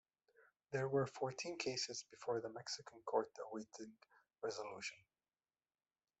There were fourteen cases before the Mexican courts awaiting resolution.